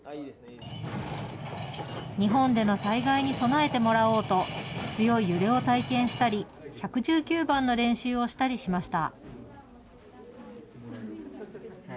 日本での災害に備えてもらおうと、強い揺れを体験したり、１１９番の練習をしたりしました。